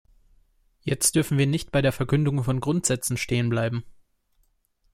Jetzt dürfen wir nicht bei der Verkündung von Grundsätzen stehen bleiben.